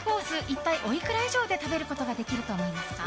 一体おいくら以上で食べることができると思いますか？